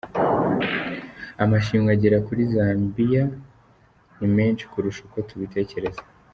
Amashimwe agera kuri Zambia ni menshi kurusha uko tubitekereza.